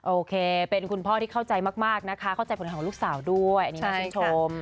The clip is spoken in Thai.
โอเคเป็นคุณพ่อที่เข้าใจมากนะคะเข้าใจผลงานของลูกสาวด้วยอันนี้น่าชื่นชม